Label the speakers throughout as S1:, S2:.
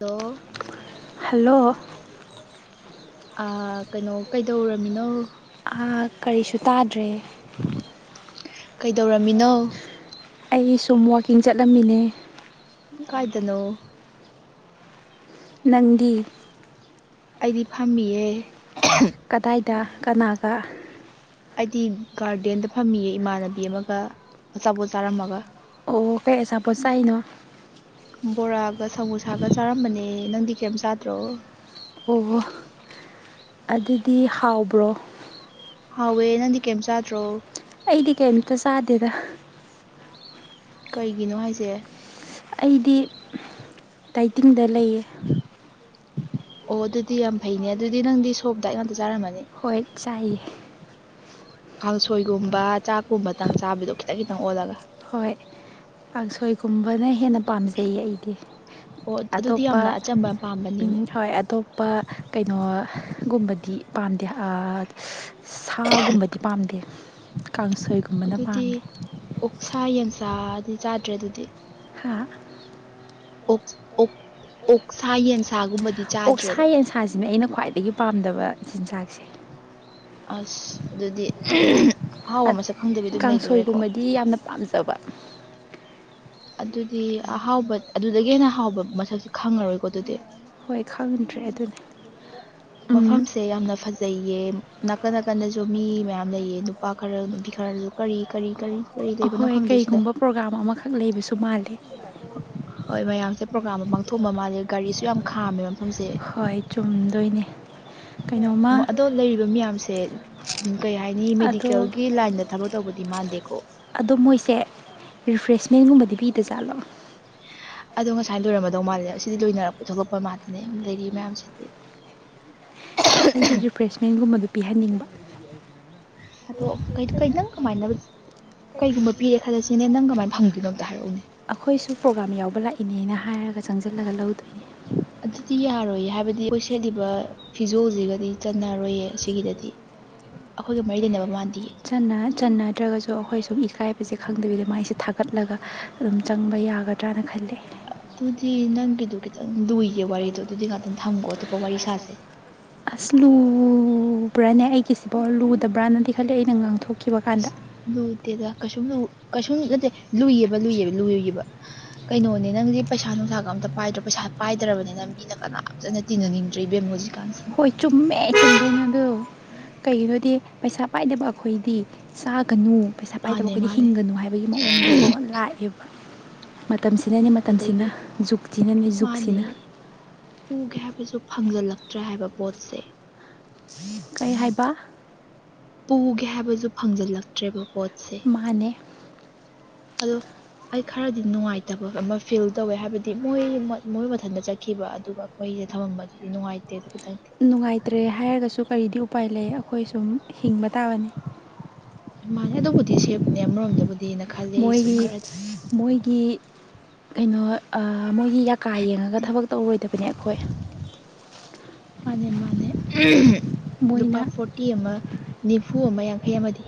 S1: ꯑꯣ
S2: ꯍꯜꯂꯣ
S1: ꯀꯩꯅꯣ ꯀꯩꯗꯧꯔꯝꯃꯤꯅꯣ
S2: ꯑꯥ ꯀꯔꯤꯁꯨ ꯇꯥꯗ꯭ꯔꯦ
S1: ꯀꯩꯗꯧꯔꯝꯃꯤꯅꯣ
S2: ꯑꯩ ꯁꯨꯝ ꯋꯥꯛꯀꯤꯡ ꯆꯠꯂꯝꯃꯤꯅꯦ
S1: ꯀꯥꯏꯗꯅꯣ
S2: ꯅꯪꯗꯤ
S1: ꯑꯩꯗꯤ ꯐꯝꯃꯤꯌꯦꯦ
S2: ꯀꯗꯥꯏꯗ ꯀꯅꯥꯒ
S1: ꯑꯩꯗꯤ ꯒꯥꯔꯗꯦꯟꯗ ꯐꯝꯃꯤꯌꯦ ꯏꯃꯥꯟꯅꯕꯤ ꯑꯃꯒ ꯑꯆꯥꯄꯣꯠ ꯆꯥꯔꯝꯃꯒ
S2: ꯑꯣ ꯀꯩ ꯑꯆꯥꯄꯣꯠ ꯆꯥꯏꯅꯣ
S1: ꯕꯣꯔꯥꯒ ꯁꯃꯣꯁꯥꯒ ꯆꯥꯔꯝꯕꯅꯦ ꯅꯪꯗꯤ ꯀꯔꯤꯝ ꯆꯥꯗ꯭ꯔꯣ
S2: ꯑꯣꯍ ꯑꯗꯨꯗꯤ ꯍꯥꯎꯕ꯭ꯔꯣ
S1: ꯍꯥꯎꯋꯦ ꯅꯪꯗꯤ ꯀꯦꯝ ꯆꯥꯗ꯭ꯔꯣ
S2: ꯑꯩꯗꯤ ꯀꯦꯝꯇ ꯆꯥꯗꯦꯗ
S1: ꯀꯩꯒꯤꯅꯣ ꯍꯥꯏꯖꯦ
S2: ꯑꯩꯗꯤ ꯗꯥꯏꯇꯤꯡꯗ ꯂꯩꯌꯦ
S1: ꯑꯣ ꯑꯗꯨꯗꯤ ꯌꯥꯝ ꯐꯩꯅꯦ ꯑꯗꯨꯗꯤ ꯅꯪꯗꯤ ꯁꯣꯐꯠ ꯗꯥꯏꯠ ꯉꯥꯛꯇ ꯆꯥꯔꯝꯃꯅꯤ
S2: ꯍꯣꯏ ꯆꯥꯏꯌꯦ
S1: ꯀꯥꯡꯁꯣꯏꯒꯨꯝꯕ ꯆꯥꯛꯀꯨꯝꯕꯇꯪ ꯆꯥꯕꯤꯗꯣ ꯈꯤꯇꯪ ꯈꯤꯇꯪ ꯑꯣꯜꯂꯒ
S2: ꯍꯣꯏ ꯀꯥꯡꯁꯣꯏꯒꯨꯝꯕꯅ ꯍꯦꯟꯅ ꯄꯥꯝꯖꯩꯌꯦ ꯑꯩꯗꯤ ꯑꯇꯣꯞꯄ ꯎꯝ ꯍꯣꯏ ꯑꯇꯣꯞ ꯄ ꯀꯩꯅꯣ ꯒꯨꯝꯕꯗꯤ ꯄꯥꯝꯗꯦ ꯑꯥ꯬꯬ ꯁꯥꯒꯨꯝꯕꯗꯤ ꯄꯥꯝꯗꯦ ꯀꯥꯡꯁꯣꯏꯒꯨꯝ
S1: ꯑꯗꯨꯗꯤ ꯑꯣꯛꯁꯥ ꯌꯦꯟꯁꯥꯗꯤ ꯆꯥꯗ꯭ꯔꯦ ꯑꯗꯨꯗꯤ
S2: ꯍꯥ
S1: ꯑꯣꯛꯁꯥ ꯌꯦꯟꯁꯥꯒꯨꯝꯕꯗꯤ
S2: ꯑꯣꯛꯁꯥ ꯌꯦꯟꯁꯥꯁꯤꯅꯦ ꯑꯩꯅ ꯈ꯭ꯋꯥꯏꯗꯒꯤ ꯄꯥꯝꯗꯕ ꯆꯤꯟꯖꯥꯛꯁꯦ
S1: ꯑꯁ ꯑꯗꯨꯗꯤ ꯑꯍꯥꯎꯕ ꯃꯁꯛ ꯈꯪꯗꯕꯤ ꯑꯗꯨꯝ ꯂꯩꯗꯣꯔꯦꯀꯣ
S2: ꯒꯤ ꯌꯥꯝꯅ ꯄꯥꯝꯖꯕ
S1: ꯑꯗꯨꯗꯤ ꯑꯍꯥꯎꯕ ꯑꯗꯨꯗꯒꯤ ꯍꯦꯟꯅ ꯍꯥꯎꯕ ꯃꯁꯛꯁꯤ ꯈꯪꯉꯔꯣꯏꯀꯣ ꯑꯗꯨꯗꯤ ꯃꯐꯝꯁꯦ ꯌꯥꯝꯅ ꯐꯖ ꯂꯩꯌꯦ ꯅꯥꯀꯟ ꯅꯥꯀꯟꯗꯁꯨ ꯃꯤ ꯃꯌꯥꯝ ꯂꯩꯌꯦ ꯅꯨꯄꯥ ꯈꯔ ꯅꯨꯄꯤ ꯈꯔꯁꯨ ꯀꯔꯤ ꯀꯔꯤ ꯀꯔꯤ
S2: ꯑꯍꯣꯏ ꯀꯩꯒꯨꯝꯕ ꯄ꯭ꯔꯣꯒꯥꯝ ꯑꯃꯈꯛ ꯂꯩꯕꯁꯨ ꯃꯥꯜꯂꯦ
S1: ꯍꯣꯏ ꯃꯌꯥꯝꯁꯦ ꯄ꯭ꯔꯣꯒꯥꯥꯝ ꯑꯃ ꯄꯥꯡꯊꯣꯛꯑꯝꯕ ꯃꯥꯜꯂꯦ ꯒꯥꯔꯤꯁꯨ ꯌꯥꯝ ꯈꯥꯝꯃꯦꯕ ꯃꯐꯝꯁꯦ ꯑꯗꯣ ꯂꯩꯔꯤꯕ ꯃꯌꯥꯝꯁꯦ ꯀꯩ ꯍꯥꯏꯅꯤ ꯃꯦꯗꯤꯀꯦꯜꯒꯤ ꯂꯥꯏꯟꯗ ꯊꯕꯛ ꯇꯧꯕꯗꯤ ꯃꯥꯟꯗꯦꯀꯣ
S2: ꯑꯗꯣ ꯃꯣꯏꯁꯦ ꯔꯤꯐ꯭ꯔꯦꯁꯃꯦꯟꯒꯨꯝꯕꯗꯤ ꯄꯤꯗꯖꯥꯠꯂꯣ
S1: ꯑꯗꯣ ꯉꯁꯥꯏ ꯂꯣꯏꯔꯝꯃꯗꯧ ꯃꯥꯜꯂꯦ ꯁꯤꯗꯤ ꯂꯣꯏꯅꯔꯛꯄꯩ ꯊꯣꯛꯂꯛꯄ ꯃꯥꯜꯅꯦ ꯂꯩꯔꯤꯕꯔꯤ ꯃꯌꯥꯝꯁꯤꯗꯤ [inaudible]
S2: ꯑꯩꯗꯤ ꯔꯤꯐ꯭ꯔꯦꯁꯃꯦꯟꯒꯨꯝꯕꯗꯣ ꯄꯤꯍꯟꯅꯤꯡꯕ
S1: ꯑꯣ ꯀ ꯀꯩꯗꯪ ꯀꯃꯥꯏꯗ ꯀꯩꯒꯨꯝꯕ ꯄꯔꯦ ꯈꯜꯂꯁꯤꯅꯦ ꯅꯪ ꯀꯃꯥꯏꯅ ꯐꯪꯗꯣꯏꯅꯣꯝꯇ ꯍꯥꯏꯔꯛꯎꯅꯦ
S2: ꯑꯩꯈꯣꯏꯁꯨ ꯄ꯭ꯔꯣꯒꯥꯝ ꯌꯥꯎꯕ ꯂꯥꯛꯏꯅꯦꯅ ꯍꯥꯏꯔꯒ ꯆꯪꯁꯤꯜꯂꯒ ꯂꯧꯗꯣꯏꯅꯤ
S1: ꯑꯗꯨꯗꯤ ꯌꯥꯔꯣꯏꯌꯦ ꯍꯥꯏꯕꯗꯤ ꯑꯩꯈꯣꯏ ꯁꯦꯠꯂꯤꯕ ꯐꯤꯖꯣꯜꯁꯤꯒꯗꯤ ꯆꯠꯅꯔꯣꯏꯌꯦ ꯑꯁꯤꯒꯤꯗꯗꯤ ꯑꯩꯈꯣꯏꯒ ꯃꯔꯤ ꯂꯩꯅꯕ ꯃꯥꯟꯗ
S2: ꯆ ꯆꯟꯅꯗ꯭ꯔꯒꯁꯨ ꯑꯩꯈꯣꯏ ꯁꯨꯝ ꯏꯀꯥꯏꯕꯁꯦ ꯈꯪꯗꯕꯤꯗ ꯃꯥꯏꯁꯦ ꯊꯥꯒꯠꯂꯒ ꯑꯗꯨꯝ ꯆꯪꯕ ꯌꯥꯒꯗ꯭ꯔꯅ ꯈꯜꯂꯦ
S1: ꯑꯗꯨꯗꯤ ꯅꯪꯒꯤꯗꯨꯣ ꯈꯤꯇꯪ ꯂꯨꯏꯒꯦ ꯋꯥꯔꯤꯗꯣ ꯑꯗꯨꯗꯤ ꯉꯥꯛꯇꯪ ꯊꯝꯀꯣ ꯑꯇꯣꯞꯄ ꯋꯥꯔꯤ ꯁꯥꯥꯁꯦ
S2: ꯑꯁ ꯂꯨꯕ꯭ꯔꯥꯅꯦ ꯑꯩꯒꯤꯁꯤꯐꯥꯎ ꯂꯨꯗꯕ꯭ꯔꯅꯗꯤ ꯈꯜꯂꯤꯂ ꯑꯩꯅ ꯉꯥꯡꯊꯣꯛꯈꯤꯕ ꯀꯥꯟꯗ
S1: ꯂꯨꯗꯦꯗ ꯀꯩꯁꯨꯝ ꯀꯩꯁꯨꯝ ꯅꯠꯇꯦ ꯂꯨꯏꯌꯦꯕ ꯂꯨꯏꯕ ꯂꯨꯏꯌꯦꯕ ꯀꯩꯅꯣꯅꯦ ꯅꯪꯗꯤ ꯄꯩꯁꯥ ꯅꯨꯡꯁꯥꯒ ꯑꯝꯇ ꯄꯥꯏꯗ꯭ꯔꯣ ꯄꯩꯁꯥ ꯄꯥꯏꯗ꯭ꯔꯕꯅꯤꯅꯪ ꯃꯤꯅ ꯀꯅꯥ ꯆꯠꯅ ꯇꯤꯟꯅ ꯅꯤꯡꯗ꯭ꯔꯤ ꯕꯦꯝ ꯍꯧꯖꯤꯀꯥꯟꯁꯤꯗꯤ
S2: ꯑꯩꯈꯣꯏ ꯆꯨꯝꯃꯦ ꯆꯨꯝꯗꯣꯏꯅꯗꯣ ꯀꯩꯒꯤꯅꯣꯗꯤ ꯄꯩꯁꯥ ꯄꯥꯏꯗꯕ ꯑꯩꯈꯣꯏꯗꯤ ꯆꯥꯒꯅꯨ ꯄꯩꯁꯥ ꯄꯥꯏꯗꯕ ꯑꯩꯈꯣꯏꯗꯤ ꯍꯤꯡꯒꯅꯨ ꯍꯥꯏꯕꯒꯤ ꯃꯑꯣꯡꯗꯀꯣ ꯂꯥꯛꯑꯦꯕ ꯃꯇꯝꯁꯤꯅꯅꯤ ꯃꯇꯝꯁꯤꯅ ꯖꯨꯛꯁꯤꯅꯅꯤ ꯖꯨꯛꯁꯤꯅ
S1: ꯄꯨꯒꯦ ꯍꯥꯏꯕꯁꯨ ꯐꯪꯖꯜꯂꯛꯇ꯭ꯔꯦ ꯍꯥꯏꯕ ꯄꯣꯠꯁꯦ
S2: ꯀꯩ ꯍꯥꯏꯕ
S1: ꯄꯨꯒꯦ ꯍꯥꯏꯕꯁꯨ ꯐꯪꯖꯜꯂꯛꯇ꯭ꯔꯦꯕ ꯄꯣꯠꯁꯦ ꯑꯗꯣ ꯑꯩ ꯈꯔꯗꯤ ꯅꯨꯡꯉꯥꯏꯇꯕ ꯑꯃ ꯐꯤꯜ ꯇꯧꯋꯦ ꯍꯥꯏꯕꯗꯤ ꯃꯣꯏ ꯃꯣꯏ ꯃꯊꯟꯇ ꯆꯠꯈꯤꯕ ꯑꯗꯨꯒ ꯍꯣꯏꯁꯦ ꯊꯃꯝꯕ ꯑꯗꯨꯗꯤ ꯅꯨꯡꯉꯥꯏꯇꯦ ꯑꯗꯨ ꯈꯤꯇꯪꯗꯤ
S2: ꯅꯨꯡꯉꯥꯏꯇ꯭ꯔꯦ ꯍꯥꯏꯔꯒꯁꯨ ꯀꯔꯤꯗꯤ ꯎꯄꯥꯏ ꯂꯩ ꯑꯩꯈꯣꯏ ꯁꯨꯝ ꯍꯤꯡꯕ ꯇꯥꯕꯅꯤ
S1: ꯃꯥꯅꯦ ꯑꯗꯨꯕꯨꯗꯤ ꯁꯦꯞꯅꯦ ꯑꯃꯔꯣꯝꯗꯕꯨꯗꯤ
S2: ꯃꯣꯏꯒꯤ ꯃꯣꯏꯒꯤ ꯀꯩꯅꯣ ꯃꯣꯏꯒꯤ ꯌꯥꯀꯥ ꯌꯦꯡꯉꯒ ꯊꯕꯛ ꯇꯧꯔꯣꯏꯗꯕꯅꯦ ꯑꯩꯈꯣꯏ
S1: ꯃꯥꯅꯦ ꯃꯥꯅꯦ ꯂꯨꯄꯥ ꯐ ꯐꯇꯤ ꯑꯃ ꯅꯤꯐꯨ ꯑꯃ ꯌꯥꯡꯈꯩ ꯑꯃꯗꯤ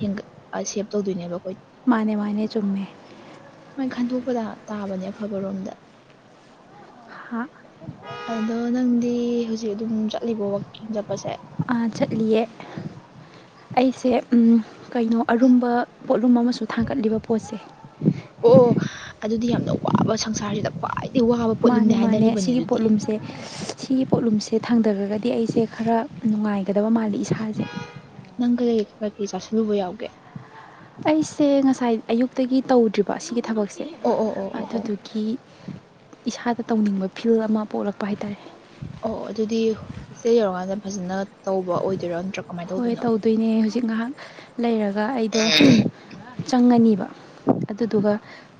S1: ꯍꯠ ꯁꯦꯞ ꯇꯧꯗꯣꯏꯅꯦꯕ ꯑꯩꯈꯣꯏ
S2: ꯃꯥꯅꯦ ꯃꯥꯅꯦ ꯆꯨꯝꯃꯦ
S1: ꯃꯅ ꯈꯟꯗꯣꯛꯄꯗ ꯇꯥꯕꯅꯦ ꯑꯐꯕꯔꯣꯝꯗ
S2: ꯍꯥꯥ
S1: ꯑꯗꯣ ꯅꯪꯗꯤ ꯍꯧꯖꯤꯛ ꯑꯗꯨꯝ ꯆꯠꯂꯤꯕꯣ ꯋꯥꯛꯀꯤꯡ ꯆꯠꯄꯁꯦ
S2: ꯆꯠꯂꯤ ꯑꯩꯁꯦ ꯀꯩꯅꯣ ꯑꯔꯨꯝꯕ ꯄꯣꯠꯂꯨꯝ ꯑꯃꯁꯨ ꯊꯥꯡꯒꯠꯂꯤꯕ ꯄꯣꯠꯁꯦ
S1: ꯑꯣ ꯑꯗꯨꯗꯤ ꯌꯥꯝꯅ ꯋꯥꯕ ꯁꯪꯁꯥꯔꯁꯤꯗ ꯈ꯭ꯋꯥꯏꯗꯒꯤ ꯋꯥꯕ ꯄꯣꯠꯂꯨꯝꯅꯦ ꯍꯥꯏꯅꯔꯤꯕꯅꯦ ꯑꯗꯨꯗꯤ
S2: ꯁꯦ ꯁꯤꯒꯤ ꯄꯣꯠꯂꯨꯝꯁꯦ ꯊꯥꯡꯗꯈ꯭ꯔꯒꯗꯤ ꯑꯩꯁꯦ ꯈꯔ ꯅꯨꯡꯉꯥꯏꯒꯗꯕ ꯃꯥꯜꯜꯂꯤꯦ ꯏꯁꯥꯁꯦ
S1: ꯅꯪꯒ ꯂꯩ ꯀ ꯀꯩ ꯆꯥꯥꯁꯜꯂꯨꯕ ꯌꯥꯎꯒꯦ
S2: ꯑꯩꯁꯦ ꯉꯁꯥꯏ ꯑꯌꯨꯛꯇꯒꯤ ꯇꯧꯗ꯭ꯔꯤꯕ ꯁꯤꯒꯤ ꯊꯕꯛꯁꯦ ꯑꯗꯨꯗꯨꯒꯤ ꯏꯁꯥꯗ ꯇꯧꯅꯤꯡꯕ ꯐꯤꯜ ꯑꯃ ꯄꯣꯛꯂꯛꯄ ꯍꯥꯏꯇꯥꯔꯦ
S1: ꯑꯣ ꯑꯗꯨꯗꯤ ꯍꯣꯇꯦꯜ ꯌꯧꯔꯀꯥꯟꯗ ꯐꯖꯅ ꯇꯧꯕ ꯑꯣꯏꯗꯣꯏꯔꯥ ꯅꯠꯇ꯭ꯔ
S2: ꯍꯣꯏ ꯇꯧꯗꯣꯏꯅꯦ ꯍꯧꯖꯤꯛ ꯉꯥꯏꯍꯥꯛ ꯂꯩꯔꯒ ꯑꯩꯗꯣ ꯆꯪꯉꯅꯤꯕ ꯑꯗꯨꯗꯨꯒ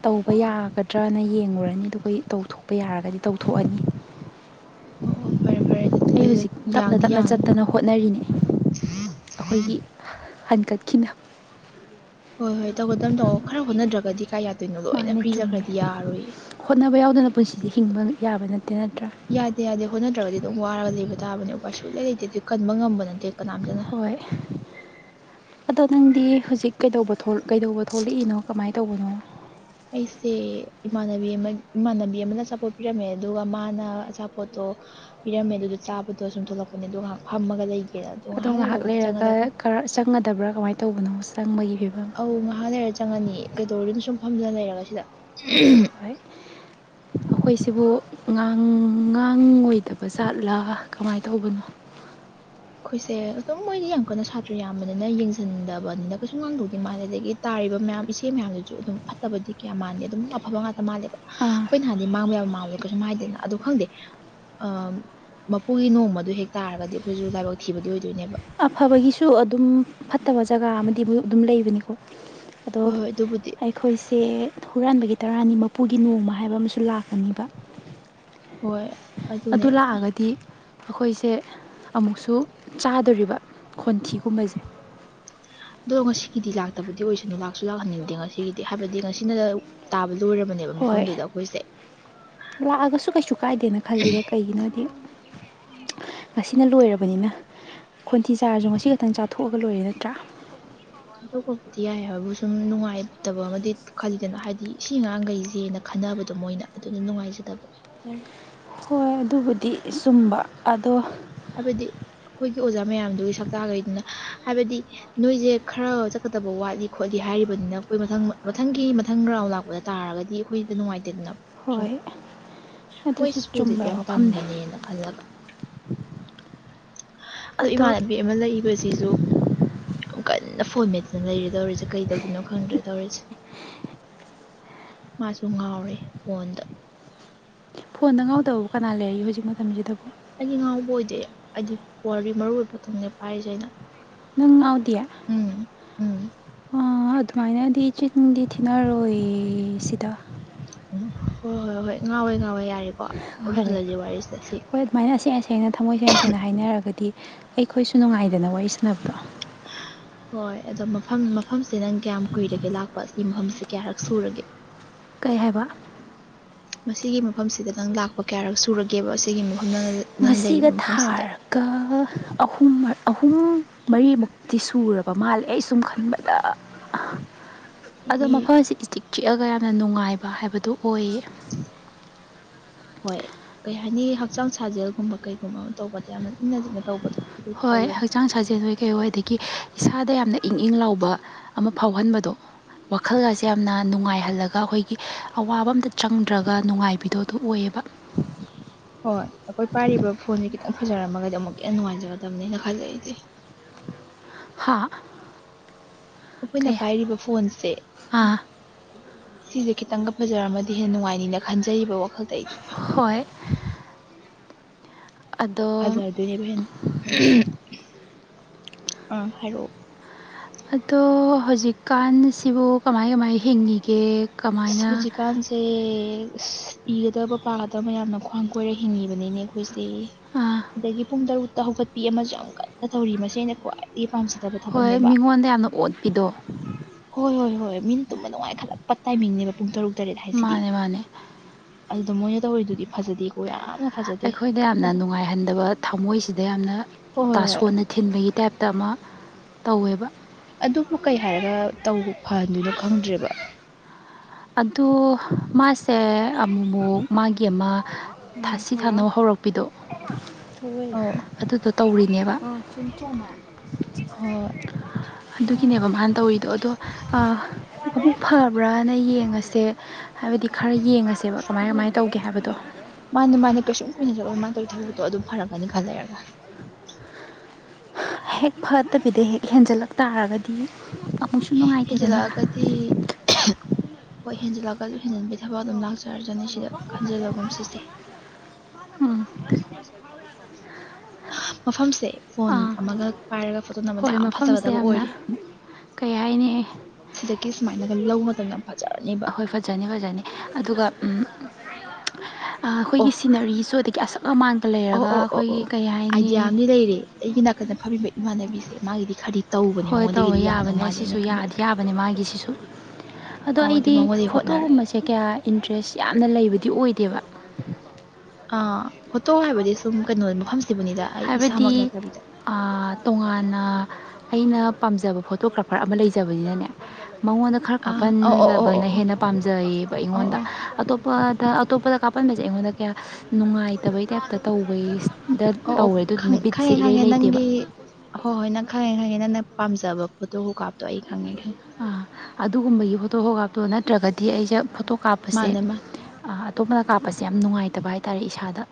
S2: ꯇꯧꯕ ꯌꯥꯒꯗ꯭ꯔꯅ ꯌꯦꯡꯂꯡꯨꯔꯅꯤ ꯑꯗꯨꯒ ꯇꯧꯊꯣꯛꯄ ꯌꯥꯔꯒꯗꯤ ꯇꯧꯊꯣꯛꯑꯅꯤ
S1: ꯑꯣ ꯑꯣ ꯐꯔꯦ ꯐꯔꯦ ꯑꯗꯨꯗꯤ ꯑꯗꯨ ꯌꯥꯡꯗꯤ ꯌꯥꯡꯒꯅꯤ
S2: ꯍꯟꯀꯠꯈꯤꯅ
S1: ꯍꯣꯏ ꯍꯣꯏ ꯇꯧꯒ ꯇꯝꯅ ꯇꯧꯣ ꯈꯔ ꯍꯣꯠꯅꯗ꯭ꯔꯒꯗꯤ ꯀꯥꯏ ꯌꯥꯗꯣꯏꯅꯣ ꯂꯣꯏꯅ ꯐ꯭ꯔꯤꯖꯈ꯭ꯔꯗꯤ ꯌꯥꯔꯣꯏꯌꯦ
S2: ꯍꯣꯠꯅꯕ ꯌꯥꯎꯗꯅ ꯄꯨꯟꯁꯤꯗꯤ ꯍꯤꯡꯕ ꯌꯥꯕ ꯅꯠꯇꯦ ꯅꯠꯇ꯭ꯔꯥ
S1: ꯌꯥꯗꯦ ꯌꯥꯗꯦ ꯍꯣꯠꯅꯗ꯭ꯔꯒꯗꯤ ꯑꯗꯨꯝ ꯋꯥꯔꯒ ꯂꯩꯕ ꯇꯥꯕꯅꯦ ꯎꯄꯥꯏ ꯁꯨꯛꯂꯩ ꯂꯩꯇꯦ ꯑꯗꯨ ꯀꯟꯕ ꯉꯝꯕ ꯅꯠꯇꯦ ꯀꯅꯥꯝꯇꯅ
S2: ꯍꯣꯏ ꯑꯗꯣ ꯅꯪꯗꯤ ꯍꯧꯖꯤꯛ ꯀꯩꯗꯧꯕ ꯊꯣ ꯀꯩꯗꯧꯕ ꯊꯣꯛꯂꯛꯏꯅꯣ ꯀꯃꯥꯏ ꯇꯧꯕꯅꯣ
S1: ꯑꯩꯁꯦ ꯏꯃꯥꯟꯅꯕꯤ ꯑꯃ ꯏꯃꯥꯟꯅꯕꯤ ꯑꯃꯅ ꯑꯆꯥꯄꯣꯠ ꯄꯤꯔꯝꯃꯦ ꯑꯗꯨꯒ ꯃꯥꯅ ꯑꯆꯥꯄꯣꯠꯇꯣ ꯄꯤꯔꯝꯃꯦ ꯑꯗꯨ ꯗꯨ ꯆꯥꯕꯗꯣ ꯁꯨꯝ ꯊꯣꯛꯂꯛꯄꯅꯦ ꯑꯗꯣ ꯉꯥꯏꯍꯥꯛ ꯐꯝꯃꯒ ꯂꯩꯒꯦꯑ ꯑꯗꯣ ꯉꯥꯍꯥꯛ ꯂꯩꯔꯒꯕꯨꯗꯤ ꯆꯪꯉꯗꯕꯅꯤ
S2: ꯈꯔ ꯆꯪꯒꯗꯕ꯭ꯔꯥ ꯀꯃꯥꯏꯅ ꯇꯧꯕꯅꯣ ꯆꯪꯕꯒꯤ ꯐꯤꯕꯝ
S1: ꯑꯧ ꯉꯥꯏꯍꯥꯛ ꯂꯩꯔ ꯆꯪꯉꯅꯤ ꯀꯩꯗꯧꯔꯨꯅꯤ ꯁꯨꯝ ꯐꯝꯗꯅ ꯂꯩꯔꯒ ꯁꯤꯗ
S2: ꯎꯝ ꯐꯩ ꯑꯩꯈꯣꯏꯁꯤꯕꯨ ꯉꯥꯡ ꯉꯥꯡꯉꯣꯏꯗꯕꯖꯥꯠꯂꯥ ꯀꯃꯥꯏꯅ ꯇꯧꯕꯅꯣ
S1: ꯑꯩꯈꯣꯏꯁꯦ ꯑꯗꯨꯝ ꯃꯣꯏꯗꯤ ꯌꯥꯝ ꯀꯟꯅ ꯁꯥꯇ꯭ꯔ ꯌꯥꯝꯕꯅꯤꯅ ꯌꯦꯡꯁꯤꯟꯗꯕꯅꯤꯅ ꯀꯩꯁꯨ ꯉꯥꯡꯗꯧꯗꯤ ꯃꯥꯜꯂꯦ ꯑꯗꯒꯤ ꯇꯥꯔꯤꯕ ꯃꯌꯥꯝ ꯏꯁꯦ ꯃꯌꯥꯝꯗꯨꯁꯨ ꯑꯗꯨꯝ ꯐꯠꯇꯕꯗꯤ ꯀꯌꯥ ꯃꯥꯥꯟꯂꯦ ꯑꯗꯨꯝ ꯑꯐꯕ ꯉꯥꯛꯇ ꯃꯥꯜꯂꯦ ꯑꯩꯈꯣꯏꯅ ꯍꯥꯟꯗꯤ ꯃꯥꯡꯕ ꯌꯥꯕ ꯃꯥꯎꯑ ꯀꯩꯁꯨꯝ ꯍꯥꯏꯗꯦꯅ ꯑꯗꯣ ꯈꯪꯗꯦ ꯑꯥꯝ ꯃꯄꯨꯒꯤ ꯅꯣꯡꯃꯗꯨ ꯑꯗꯨ ꯍꯦꯛ ꯇꯥꯔꯒꯗꯤ ꯑꯩꯈꯣꯏꯁꯨ ꯂꯥꯏꯕꯛ ꯊꯤꯕꯗꯤ ꯑꯣꯏꯗꯣꯏꯅꯦꯕ
S2: ꯑꯐꯕꯒꯤꯁꯨ ꯑꯗꯨꯝ ꯐꯠꯇꯕ ꯖꯒꯥ ꯑꯃꯗꯤꯕꯨ ꯑꯗꯨꯝ ꯂꯩꯕꯅꯤꯀꯣ ꯑꯗꯣ ꯑꯩ ꯑꯩꯈꯣꯏꯁꯦ ꯍꯨꯔꯥꯟꯕꯒꯤ ꯇꯔꯥꯅꯤ ꯃꯄꯨꯒꯤ ꯅꯣꯡꯃ ꯍꯥꯏꯕ ꯑꯃꯁꯨ ꯂꯥꯛꯀꯅꯤꯕ ꯑꯗꯨ ꯂꯥꯛꯑꯒꯗꯤ ꯑꯩꯈꯣꯏꯁꯦ ꯑꯃꯨꯛꯁꯨ ꯆꯥꯗꯣꯔꯤꯕ ꯈꯣꯟꯊꯤꯒꯨꯝꯕꯖꯦ
S1: ꯑꯗꯣ ꯉꯁꯤꯒꯤꯗꯤ ꯂꯥꯛꯇꯕꯗꯤ ꯑꯣꯏꯁꯅꯨ ꯂꯥꯛꯁꯨ ꯂꯥꯛꯍꯟꯅꯤꯡꯗꯦ ꯉꯁꯤꯒꯤꯗꯤ ꯍꯥꯏꯕꯗꯤ ꯉꯁꯤꯅ ꯇꯥꯕꯖꯨ ꯂꯣꯏꯔꯕꯅꯦꯕ ꯃꯐꯝꯗꯨꯗ ꯑꯩꯈꯣꯏꯁꯦ
S2: ꯂꯥꯛꯑꯒꯁꯨ ꯀꯩꯁꯨ ꯀꯥꯏꯗꯦꯅ ꯈꯜꯂꯤꯗ ꯀꯩꯒꯤꯅꯣꯗꯤ ꯉꯁꯤꯅ ꯂꯣꯏꯔꯕꯅꯤꯅ ꯈꯣꯟꯊꯤ ꯆꯥꯔꯖꯨ ꯉꯁꯤ ꯈꯛꯇꯪ ꯆꯥꯊꯣꯛꯑꯒ ꯂꯣꯏꯔꯦ ꯅꯠꯇ꯭ꯔꯥ
S1: ꯊꯥꯗꯣꯛꯄꯕꯨꯗꯤ ꯌꯥꯏ ꯍꯥꯏꯕꯕꯨ ꯁꯨꯝ ꯅꯨꯡꯉꯥꯏꯇꯕ ꯑꯃꯗꯤ ꯈꯜꯂꯤꯗꯅ ꯍꯥꯏꯗꯤ ꯏ ꯁꯤꯑꯉꯥꯡꯒꯩꯖꯦꯅ ꯈꯟꯅꯕꯗꯣ ꯃꯣꯏꯅ ꯑꯗꯨꯗꯨ ꯅꯨꯡꯉꯥꯏꯖꯗꯕ
S2: ꯍꯣꯏ ꯑꯗꯨꯕꯨꯗꯤ ꯆꯨꯝꯕ ꯑꯗꯣ
S1: ꯍꯥꯏꯕꯗꯤ ꯑꯩꯈꯣꯏꯒꯤ ꯑꯣꯖꯥ ꯃꯌꯥꯝꯗꯨꯒꯤ ꯁꯛ ꯇꯥꯛꯒꯩꯗꯨꯅ ꯍꯥꯏꯕꯗꯤ ꯅꯣꯏꯁꯦ ꯈꯔ ꯆꯠꯀꯗꯕ ꯋꯥꯠꯂꯤ ꯈꯣꯠꯂꯤ ꯍꯥꯏꯔꯤꯕꯅꯤꯅ ꯑꯩꯈꯣꯏ ꯃꯊꯪ ꯃꯊꯪꯒꯤ ꯃꯊꯪ ꯔꯥꯎꯟ ꯂꯥꯛꯄꯗ ꯇꯥꯔꯒꯗꯤ ꯑꯩꯈꯣꯏꯗ ꯅꯨꯡꯉꯥꯏꯇꯦꯗꯅ ꯁꯨꯝ ꯃꯣꯏ ꯁ꯭ꯀꯨꯜꯁꯤꯗꯤ ꯌꯥꯝ ꯇꯟꯕꯅꯦꯅ ꯐꯖꯕ ꯑꯗ ꯏꯃꯥꯟꯅꯕꯤ ꯑꯃ ꯂꯩꯕꯖꯤꯖꯨ ꯌꯥꯝ ꯀꯟꯅ ꯐꯣꯟꯃꯦꯠꯇꯅ ꯂꯩꯔꯦ ꯇꯧꯔꯤꯁꯦ ꯀꯩꯗꯧꯗꯣꯏꯅꯣ ꯈꯪꯗ꯭ꯔꯦ ꯇꯧꯔꯤꯁꯦ ꯃꯥꯁꯨ ꯉꯥꯎꯔꯦ ꯐꯣꯟꯗ
S2: ꯐꯣꯟꯗ ꯉꯥꯎꯗꯕꯕꯨ ꯀꯅꯥ ꯂꯩꯔꯤ ꯍꯧꯖꯤꯛ ꯃꯇꯝꯁꯤꯗꯕꯨ
S1: ꯑꯩꯒꯤ ꯉꯥꯎꯕ ꯑꯣꯏꯗꯦ ꯑꯩꯗꯤ ꯋꯥꯔꯤ ꯃꯔꯨ ꯑꯣꯏꯕ ꯇꯪꯅꯦ ꯄꯥꯏꯔꯤꯖꯦ ꯑꯩꯅ
S2: ꯅꯪ ꯉꯥꯎꯗꯤꯌꯥ
S1: ꯎꯝ ꯎꯝ
S2: ꯑꯗꯨꯃꯥꯏꯅꯗꯤ ꯆꯤꯟꯗꯤ ꯊꯤꯅꯔꯣꯏ ꯁꯤꯗ
S1: ꯎꯝ ꯍꯣꯏ ꯍꯣꯏ ꯍꯣꯏ ꯍꯣꯏ ꯉꯥꯎꯋꯦ ꯉꯥꯎꯋꯦ ꯌꯥꯔꯦꯀꯣ ꯂꯣꯏꯁꯤꯜꯂꯒꯤ ꯋꯥꯔꯤꯁꯦ ꯁꯤ
S2: ꯁꯨꯃꯥꯏꯅ ꯑꯁꯦꯡ ꯑꯁꯦꯡꯅ ꯊꯃꯣꯏ ꯁꯦꯡ ꯁꯦꯡꯅ ꯍꯥꯏꯅꯔꯒꯗꯤ ꯑꯩꯈꯣꯏꯁꯨ ꯅꯨꯡꯉꯥꯏꯗꯅ ꯋꯥꯔꯤ ꯁꯥꯟꯅꯕꯗꯣ
S1: ꯍꯣꯏ ꯑꯗꯣ ꯃꯐꯝ ꯃꯐꯝꯁꯦ ꯅꯪ ꯀꯌꯥꯝ ꯀꯨꯏꯔꯒꯦ ꯂꯥꯛꯄ ꯑꯁꯤ ꯃꯐꯝꯁꯦ ꯀꯌꯥꯔꯛ ꯁꯨꯔꯒꯦ
S2: ꯀꯩ ꯍꯥꯏꯕ
S1: ꯃꯁꯤꯒꯤ ꯃꯐꯝꯁꯤꯗ ꯅꯪ ꯂꯥꯛꯄ ꯀꯌꯥꯔꯛ ꯁꯨꯔꯒꯦꯕ ꯑꯁꯤꯒꯤ ꯃꯐꯝ ꯅꯪ
S2: ꯉꯁꯤꯒ ꯊꯥꯔꯒ ꯑꯍꯨꯝꯃ ꯑꯍꯨꯝ ꯃꯔꯤꯃꯨꯛꯇꯤ ꯁꯨꯔꯕ ꯃꯥꯜꯂꯦ ꯑꯩ ꯁꯨꯝ ꯈꯟꯕꯗ
S1: [inaudible]
S2: ꯑꯗꯣ ꯃꯐꯝ ꯑꯁꯤ ꯏꯆꯤꯛ ꯆꯤꯛꯑꯒ ꯌꯥꯝꯅ ꯅꯨꯡꯉꯥꯏꯕ ꯍꯥꯏꯕꯗꯨ ꯑꯣꯏꯌꯦ
S1: ꯍꯣꯏ ꯀꯩ ꯍꯥꯏꯅꯤ ꯍꯛꯆꯥꯡ ꯁꯥꯖꯦꯜꯒꯨꯝꯕ ꯀꯩꯒꯨꯝꯕ ꯑꯃ ꯇꯧꯕꯗ ꯌꯥꯝꯅ ꯏꯪꯅ ꯆꯤꯛꯅ ꯇꯧꯕꯗꯣ
S2: ꯍꯣꯏ ꯍꯛꯆꯥꯡ ꯁꯥꯖꯦꯜꯑꯣꯏ ꯀꯩꯑꯣꯏ ꯑꯗꯒꯤ ꯏꯁꯥꯗ ꯌꯥꯝꯅ ꯏꯪ ꯏꯪ ꯂꯥꯎꯕ ꯑꯃ ꯐꯥꯎꯍꯟꯕꯗꯣ ꯋꯥꯈꯜꯒꯁꯦ ꯌꯥꯝꯅ ꯅꯨꯡꯉꯥꯏꯍꯜꯂꯒ ꯑꯩꯈꯣꯏꯒꯤ ꯑꯋꯥꯕ ꯑꯝꯇ ꯆꯪꯗ꯭ꯔꯒ ꯅꯨꯡꯉꯥꯏꯕꯤꯗꯣ ꯑꯗꯨ ꯑꯣꯏꯌꯦꯕ
S1: ꯎ ꯍꯣꯏ ꯑꯩꯈꯣꯏ ꯄꯥꯏꯔꯤꯕ ꯐꯣꯟꯁꯦ ꯈꯤꯇꯪ ꯐꯖꯔꯝꯃꯒꯗꯤ ꯑꯃꯨꯛ ꯌꯥꯝꯇ ꯅꯨꯡꯉꯥꯏꯖꯒꯗꯕꯅꯦꯅ ꯈꯜꯂꯦ ꯏꯗꯤ
S2: ꯍꯥꯥ
S1: ꯑꯩꯈꯣꯏꯅ ꯄꯥꯏꯔꯤꯕ ꯐꯣꯟꯁꯦ ꯁꯤꯁꯦ ꯈꯤꯇꯪꯒ ꯐꯖꯔꯝꯃꯗꯤ ꯍꯦꯟꯅ ꯅꯨꯡꯉꯥꯏꯅꯤꯅ ꯈꯟꯖꯔꯤꯕ ꯋꯥꯈꯜꯗ ꯑꯩꯗꯤ
S2: ꯍꯣꯏ
S1: ꯎꯝ ꯐꯖꯔꯗꯣꯏꯅꯦꯕ ꯍꯦꯟꯅ ꯑꯥ ꯍꯥꯏꯔꯛꯑꯣ
S2: ꯑꯗꯣ ꯍꯧꯖꯤꯛꯀꯥꯟꯁꯤꯕꯨ ꯀꯃꯥꯏ ꯀꯃꯥꯏ ꯍꯤꯡꯉꯒꯦ
S1: ꯁꯨꯖꯤ ꯀꯥꯟꯁꯤ ꯁꯦ ꯏꯒꯗꯕ ꯄꯥꯒꯗꯕ ꯌꯥꯝꯅ ꯈ꯭ꯋꯥꯡ ꯀꯣꯏꯔ ꯍꯤꯡꯉꯤꯕꯅꯤꯅꯦ ꯑꯩꯈꯣꯏꯁꯦ ꯑꯗꯒꯤ ꯄꯨꯡ ꯇꯔꯨꯛꯇ ꯍꯧꯒꯠꯄꯤ ꯑꯃꯁꯨ ꯌꯥꯝ ꯀꯟꯅ ꯇꯧꯔꯤ ꯃꯁꯤ ꯑꯩꯅ ꯈ꯭ꯋꯥꯏꯗꯒꯤ ꯄꯥꯝꯖꯗꯕ ꯊꯕꯛꯅꯦꯕ ꯍꯣꯏ ꯍꯣꯏ ꯍꯣꯏ ꯃꯤꯅ ꯇꯨꯝꯕ ꯅꯨꯡꯉꯥꯏ ꯈꯠꯂꯛꯄ ꯇꯥꯏꯃꯤꯡꯅꯦꯕ ꯄꯨꯡ ꯇꯔꯨꯛ ꯇꯔꯦꯠ ꯍꯥꯏꯁꯤꯗꯤ ꯑꯗꯨꯗ ꯃꯣꯏꯅ ꯇꯧꯔꯤꯗꯨꯗꯤ ꯐꯖꯗꯦꯀꯣ ꯌꯥꯝꯅ
S2: ꯑꯩꯈꯣꯏꯗ ꯌꯥꯝꯅ ꯅꯨꯡꯉꯥꯏꯍꯟꯗꯕ ꯊꯃꯣꯏꯁꯤꯗ ꯌꯥꯝꯅ ꯇꯥꯁꯣꯟꯅ ꯊꯤꯟꯕꯒꯤ ꯇꯥꯏꯞꯇ ꯑꯃ ꯇꯧꯋꯦꯕ
S1: ꯑꯗꯨꯕꯨ ꯀꯩ ꯍꯥꯏꯔꯒꯧ ꯐꯍꯟꯗꯣꯏꯅꯣ ꯈꯪꯗ꯭ꯔꯦꯕ
S2: ꯑ ꯃꯥꯁꯦ ꯑꯃꯨꯛꯨꯛ ꯃꯥꯒꯤ ꯑꯃ ꯊꯥꯁꯤ ꯊꯥꯅꯕ ꯍꯧꯔꯛꯄ ꯑꯄꯤꯗꯣ ꯑꯗꯨꯗꯣ ꯇꯧꯔꯤꯅꯦꯕ ꯆꯨꯡꯇꯅ ꯑꯗꯨꯒꯤꯅꯦꯕ ꯃꯥꯅ ꯇꯧꯔꯤꯗꯣ ꯑꯗꯣ ꯑꯃꯨꯛ ꯐꯕ꯭ꯔꯅ ꯌꯦꯡꯉ ꯌꯦꯉꯁꯦ ꯍꯥꯏꯕꯗꯤ ꯈꯔ ꯌꯦꯡꯉꯁꯦꯕ ꯀꯃꯥꯏ ꯀꯃꯥꯏꯅ ꯇꯧꯒꯦ ꯍꯥꯏꯕꯗꯣ
S1: ꯃꯥꯅꯦ ꯃꯥꯅꯦ ꯀꯩꯁꯨꯝ ꯀꯨꯏꯅ ꯆꯠꯂꯑꯣ ꯃꯥꯅ ꯇꯧꯋꯤ ꯊꯕꯛꯇꯣ ꯑꯗꯨꯝ ꯐꯔꯛꯀꯅꯤ ꯈꯜ ꯂꯩꯔꯒ
S2: ꯍꯦꯛ ꯐꯠꯇꯕꯤꯗ ꯍꯦꯛ ꯍꯦꯟꯖꯜꯂꯛ ꯇꯥꯔꯒꯗꯤ ꯑꯃꯨꯛꯁꯨ ꯅꯨꯡꯉꯥꯏꯇꯦꯗꯅ
S1: ꯍꯣꯏ ꯍꯦꯟꯖꯜꯂꯒ ꯑꯗꯨꯝ ꯍꯦꯟꯖꯟꯕꯒꯤ ꯊꯕꯛ ꯑꯗꯨꯝ ꯂꯥꯛꯆꯔꯖꯅꯤ ꯁꯤꯗ ꯈꯟꯖꯜꯂꯒꯨꯝ ꯁꯤꯁꯦ ꯃꯐꯝꯁꯦ ꯐꯣꯟ ꯑꯃꯒ ꯄꯥꯏꯔꯒ ꯐꯣꯇꯣ ꯅꯝꯕꯗ ꯌꯥꯝ ꯐꯖ ꯐꯗꯕ ꯑꯣꯏꯔꯦ ꯁꯤꯗꯒꯤ ꯁꯨꯃꯥꯏꯅꯒ ꯂꯧꯕ ꯃꯇꯝꯗ
S2: ꯍꯣꯏ ꯐꯖꯅꯤ ꯐꯖꯅꯤ ꯑꯗꯨꯒ ꯑꯩꯈꯣꯏꯒꯤ ꯁꯤꯅꯔꯤꯁꯨ ꯑꯗꯒꯤ ꯑꯁꯛ ꯑꯃꯥꯡꯗ ꯂꯩꯔꯒ ꯑꯩꯈꯣꯏꯒꯤ ꯀꯩ ꯍꯥꯏꯅꯤ
S1: ꯂꯩꯔꯤ ꯑꯩꯒꯤ ꯅꯥꯀꯟꯗ ꯐꯝꯕꯤꯕ ꯏꯃꯥꯟꯅꯕꯤꯁꯦ ꯃꯥꯒꯤꯗꯤ ꯈꯗꯤ
S2: ꯍꯣꯏ ꯇꯋ ꯌꯥꯕꯅꯦ ꯁꯤꯁꯨ ꯌꯥꯗꯤ ꯌꯥꯕꯅꯦ ꯃꯥꯒꯤ ꯁꯤꯁꯨ ꯑꯗꯣ ꯑꯩꯗꯤ ꯐꯣꯇꯣꯒꯨꯝꯕꯁꯦ ꯀꯌꯥ ꯏꯟꯇ꯭ꯔꯦꯁ ꯌꯥꯝꯅ ꯂꯩꯕꯗꯤ ꯑꯣꯏꯗꯦꯕ
S1: ꯑꯥ ꯐꯣꯇꯣ ꯍꯥꯏꯕꯗꯤ ꯁꯨꯝ ꯀꯩꯅꯣ ꯃꯐꯝꯁꯤꯕꯨꯅꯤꯗ
S2: ꯍꯥꯏꯕꯗꯤ ꯇꯣꯉꯥꯟꯅ ꯑꯩꯅ ꯄꯥꯝꯖꯕ ꯐꯣꯇꯣꯒ꯭ꯔꯥꯐꯔ ꯑꯃ ꯂꯩꯖꯕꯅꯤꯅꯅꯦ ꯃꯉꯣꯟꯗ ꯈꯔ ꯀꯥꯞꯍꯜꯂꯕꯅ ꯍꯦꯟꯅ ꯄꯥꯝꯖꯩꯌꯦꯕ ꯑꯩꯉꯣꯟꯗ ꯑꯇꯣꯞ ꯑꯇꯣꯞꯄꯗ ꯀꯥꯞꯄꯟꯕꯁꯦ ꯑꯩꯉꯣꯟꯗ ꯀꯌꯥ ꯅꯨꯡꯉꯥꯏꯇꯕꯩ ꯇꯥꯏꯞꯇ ꯇꯧꯕꯒꯤ
S1: ꯑꯣ ꯑꯣ ꯈꯪꯉꯦ ꯈꯪꯉꯦ ꯅꯪꯒꯤ ꯍꯣꯏ ꯍꯣꯏ ꯅꯪ ꯈꯪꯉꯦ ꯈꯪꯉꯦ ꯅꯪ ꯄꯥꯝꯖꯕ ꯐꯣꯇꯣ ꯍꯨꯀꯥꯞꯇꯣ ꯑꯩ ꯈꯪꯉꯦ ꯈꯪꯉꯦ
S2: ꯑꯗꯨꯒꯨꯝꯕꯒꯤ ꯐꯣꯇꯣꯣ ꯀꯥꯞꯇꯣ ꯅꯠꯇ꯭ꯔꯒꯗꯤ ꯑꯩꯁꯦ ꯐꯣꯇꯣ ꯀꯥꯞꯄꯁꯦ ꯑꯇꯣꯞꯄꯅ ꯀꯥꯞꯄꯁꯦ ꯌꯥꯝꯅ ꯅꯨꯡꯉꯥꯏꯇꯕ ꯍꯥꯏꯇꯥꯔꯦ ꯏꯁꯥꯗ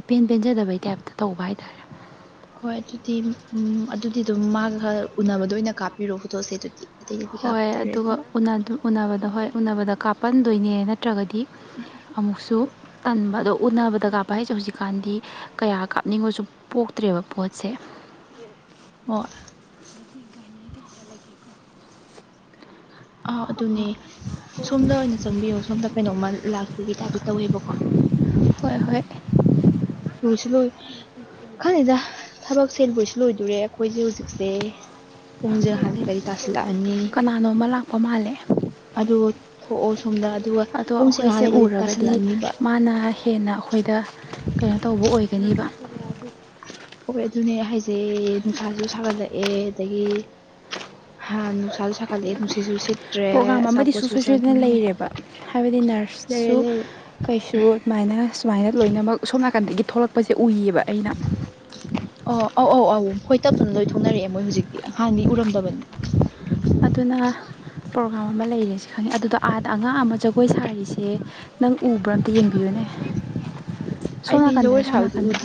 S2: ꯏꯄꯦꯟ ꯄꯦꯟꯖꯗꯕꯩ ꯇꯥꯏꯞꯇ ꯇꯧꯕ ꯍꯥꯏꯇꯥꯔꯦ
S1: ꯍꯣꯏ ꯑꯗꯨꯗꯤ ꯑꯗꯨꯗꯤ ꯑꯗꯨꯝ ꯃꯥꯒ ꯈꯔ ꯎꯅꯕꯗ ꯑꯣꯏꯅ ꯀꯥꯞꯄꯤꯔꯣ ꯐꯣꯇꯣꯁꯦ ꯑꯗꯨꯗꯤ
S2: ꯍꯣꯏ ꯑꯗꯨꯒ ꯎꯅꯕꯗ ꯍꯣꯏ ꯎꯅꯕꯗ ꯀꯥꯞꯄꯟꯗꯣꯏꯅꯦ ꯅꯠꯇ꯭ꯔꯒꯗꯤ ꯑꯃꯨꯛꯁꯨ ꯇꯟꯕ ꯑꯗꯣ ꯎꯅꯕꯗ ꯀꯥꯞꯄ ꯍꯥꯏꯁꯦ ꯍꯧꯖꯤꯛꯀꯥꯟꯗꯤ ꯀꯌꯥ ꯀꯥꯞꯅꯤꯡꯕꯁꯨ ꯄꯣꯛꯇ꯭ꯔꯦꯕ ꯄꯣꯠꯁꯦ
S1: ꯍ ꯑ ꯑꯗꯨꯅꯦ ꯁꯣꯝꯗ ꯑꯣꯏꯅ ꯆꯪꯕꯤꯌꯣ ꯁꯣꯝꯗ ꯀꯩꯅꯣꯝꯃ ꯂꯥꯛꯄꯒꯤ ꯇꯥꯏꯞꯇ ꯇꯧꯋꯦꯕꯀꯣ
S2: ꯍꯣꯏ ꯍꯣꯏ
S1: ꯄꯨꯅꯨꯡꯁꯤꯗ ꯈꯪꯉꯤꯗ ꯊꯕꯛ ꯁꯦꯜꯕꯔꯤꯁꯨ ꯂꯣꯏꯗꯣꯏꯣꯔꯦ ꯑꯩꯈꯣꯏꯁꯦ ꯍꯧꯖꯤꯛꯁꯦ ꯄꯨꯡꯖ ꯍꯥꯟꯔꯥꯏ ꯇꯥꯁ ꯂꯛꯑꯅꯤ ꯑꯗꯨꯗ ꯊꯣꯛꯑꯣ ꯁꯣꯝꯗ ꯑꯗꯨꯒ ꯄꯨꯡꯁꯦ ꯉꯍꯥꯜꯂꯒꯗꯤ ꯇꯥꯁꯜꯂꯛꯑꯅꯤꯕ
S2: ꯃꯥꯅ ꯍꯦꯟꯅ ꯑꯩꯈꯣꯏꯗ ꯀꯩꯅꯣ ꯇꯧꯕ ꯑꯣꯏꯒꯅꯦꯕ
S1: ꯍꯣꯏ ꯑꯗꯨꯅꯦ ꯍꯥꯏꯖꯩꯌꯦ ꯅꯨꯡꯁꯥꯁꯨ ꯁꯥꯒꯠꯂꯛꯑꯦ ꯑꯗꯒꯤ ꯍꯥ ꯅꯁꯥꯁꯨ ꯊꯗꯛꯑꯦ ꯅꯨꯡꯁꯤꯠꯁꯨ ꯁꯤꯠꯇ꯭ꯔꯦ ꯑꯆꯥꯄꯣꯠꯁꯨ ꯆꯥꯅꯤꯡꯉꯦ ꯂꯩꯔꯦ ꯂꯩꯔꯦ
S2: ꯀꯩꯁꯨ ꯑꯗꯨꯃꯥꯏꯅ ꯁꯨꯃꯥꯏꯅ ꯂꯣꯏꯅꯃꯛ ꯁꯣꯝ ꯅꯥꯀꯟꯗꯒꯤ ꯊꯣꯛꯂꯛꯄꯁꯦ ꯎꯏꯌꯦꯕ ꯑꯩꯅ
S1: ꯑꯣ ꯑꯧ ꯑꯧ ꯑꯧ ꯍꯣꯏ ꯇꯞꯇꯅ ꯂꯣꯏ ꯊꯣꯛꯅꯔꯛꯑꯦ ꯃꯣꯏ ꯍꯧꯖꯤꯛꯇꯤ ꯅꯍꯥꯟꯗꯤ ꯎꯔꯝꯗꯕꯅꯦ
S2: ꯑꯗꯨꯅ ꯄ꯭ꯔꯣꯒꯥꯝ ꯑꯃ ꯂꯩꯔꯁꯤ ꯈꯪꯉꯦ ꯑꯗꯨꯗ ꯑꯥꯗ ꯑꯉꯥꯡ ꯑꯃ ꯖꯒꯣꯏ ꯁꯥꯔꯤꯁꯦ ꯅꯪ ꯎꯕ꯭ꯔꯥ ꯑꯝꯇ ꯌꯦꯡꯕꯤꯌꯨꯅꯦ ꯁꯣꯝ ꯅꯥꯀꯟꯗꯅꯦ ꯁꯣꯝ ꯅꯥꯀꯟꯗ꯭ꯔꯥ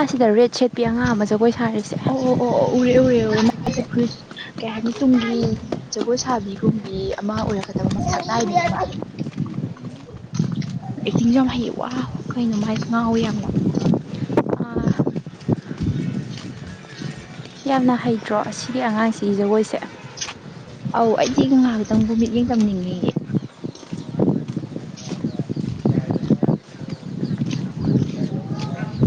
S2: ꯑꯁꯤꯗ ꯔꯦꯠ ꯁꯦꯠꯄꯤ ꯑꯉꯥꯡ ꯑꯃ ꯖꯒꯣꯏ ꯁꯥꯔꯤꯁ
S1: ꯑꯣ ꯑꯣ ꯑꯣ ꯑꯣ ꯎꯔꯦ ꯎꯔꯦ ꯎꯔꯦ ꯃꯥꯦ ꯐꯔꯤꯁ ꯀꯩ ꯍꯥꯏꯅꯤ ꯇꯨꯡꯒꯤ ꯖꯒꯣꯏ ꯁꯥꯕꯤꯒꯨꯝꯕꯤ ꯑꯃ ꯑꯣꯏꯔꯛꯀꯗꯕ ꯑꯃ ꯁꯛꯅꯥꯏꯅꯦꯕ ꯑꯦꯛꯇꯤꯡꯁꯨ ꯌꯥꯝ ꯍꯩꯌꯦ ꯋꯥ ꯀꯩꯅꯣꯃꯥꯏꯁꯨ ꯉꯥꯎꯋꯤ ꯌꯥꯝ ꯂ [unintelligible]
S2: ꯌꯥꯝꯅ ꯍꯩꯇ꯭ꯔꯣ ꯑꯁꯤꯒꯤ ꯑꯉꯥꯡꯁꯤꯒꯤ ꯖꯒꯣꯏꯁꯦ
S1: ꯑꯧ ꯑꯩꯗꯤ ꯉꯍꯥ ꯈꯇꯪꯕꯨ ꯃꯤꯠꯌꯦꯡ ꯇꯝꯅꯤꯡꯉꯤ [unintelligible]